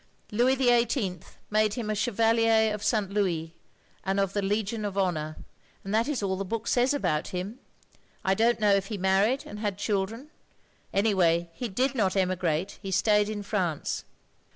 Lotiis XVIII made him a Chevalier of St. Louis and of the Legion of Honour; and that is all the book says about him. I don't know if he married and had children. An3rway he did not emigrate, he stayed in France."